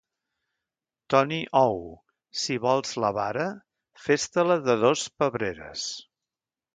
Toni Ou, si vols la vara fes-te-la de dos pebreres.